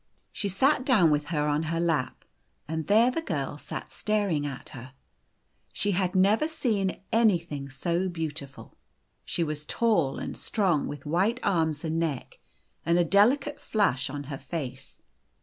She sat down with her on her lap, and there the girl sat staring at her. She had never seen anything so beautiful. She was tall and strong with white arms O' and neck, and a delicate flush on her face.